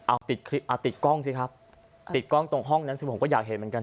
เอาติดกล้องซิครับติดกล้องตรงห้องนั้นซึ่งผมก็อยากเห็นเหมือนกัน